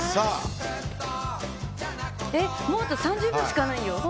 もうあと３０秒しかないよ。